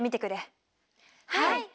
はい！